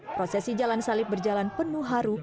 prosesi jalan salib berjalan penuh haru